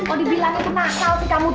oh dibilangin kemasal sih kamu tuh